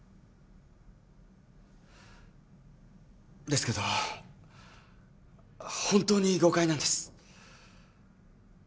ですけど本当に誤解なんです。